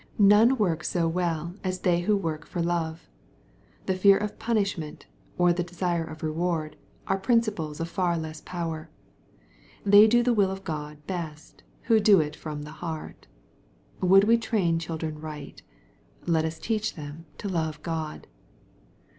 None work so well as they who work for love. The fear of punishment, or the desire of reward, are principles of far less power. They do the will of God best, who do it from the heart. Would we train children right ? Let us teach them to love God.